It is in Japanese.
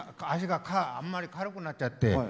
足があんまり軽くなっちゃって。